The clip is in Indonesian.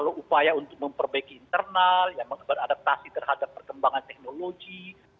supaya untuk memperbaiki internal ya mengadaptasi terhadap perkembangan teknologi